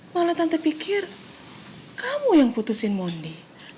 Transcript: malah tante pikir kamu yang putusin mondi